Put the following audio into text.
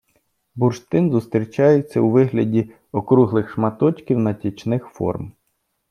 Бурштин зустрічається у вигляді округлих шматочків, натічних форм